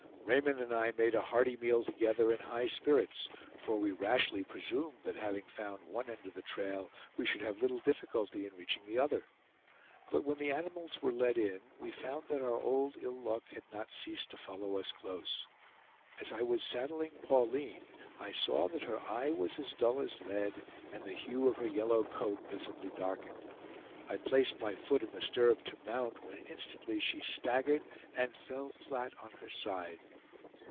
Raymond and I made a hearty meal together in high spirits, for we rashly presumed that having found one end of the trail we should have little difficulty in reaching the other. But when the animals were led in we found that our old ill luck had not ceased to follow us close. As I was saddling Pauline I saw that her eye was as dull as lead, and the hue of her yellow coat visibly darkened. I placed my foot in the stirrup to mount, when instantly she staggered and fell flat on her side.